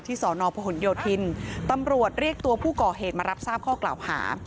สอนอพหนโยธินตำรวจเรียกตัวผู้ก่อเหตุมารับทราบข้อกล่าวหา